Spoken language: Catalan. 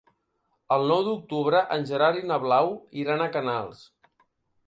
El nou d'octubre en Gerard i na Blau iran a Canals.